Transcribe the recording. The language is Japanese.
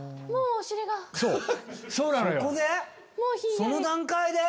その段階で？